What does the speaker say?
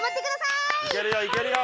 いけるよいけるよ